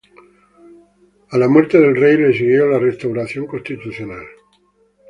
A la muerte del rey, le siguió la restauración constitucional.